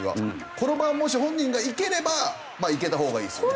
このままもし本人がいければまあいけたほうがいいですよね。